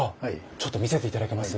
ちょっと見せて頂けます？